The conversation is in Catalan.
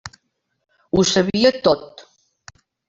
Ho sabia tot.